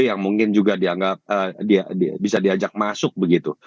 yang mungkin juga bisa diajak masuk begitu